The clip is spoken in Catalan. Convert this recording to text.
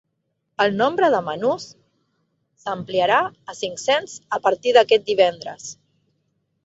El nombre de menús s’ampliarà a cinc-cents a partir d’aquest divendres.